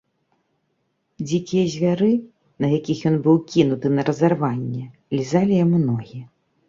Дзікія звяры, на якіх ён быў кінуты на разарванне, лізалі яму ногі.